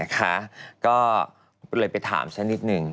ก็เลยไปถามฉันนิดนึง